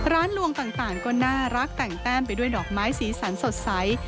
ลวงต่างก็น่ารักแต่งแต้มไปด้วยดอกไม้สีสันสดใส